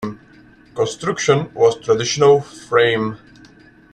Construction was traditional frame.